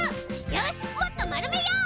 よしもっとまるめよう！